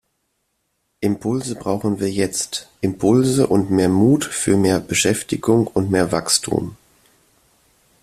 Impulse brauchen wir jetzt, Impulse und mehr Mut für mehr Beschäftigung und mehr Wachstum.